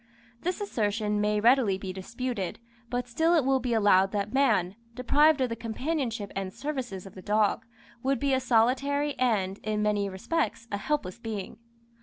This assertion may readily be disputed, but still it will be allowed that man, deprived of the companionship and services of the dog, would be a solitary and, in many respects, a helpless being.